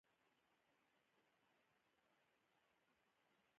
تیزابونه او القلي ګانې په کومو موادو پیژندلای شو؟